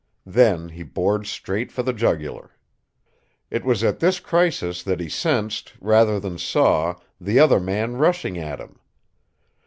Then he bored straight for the jugular. It was at this crisis that he sensed, rather than saw, the other man rushing at him.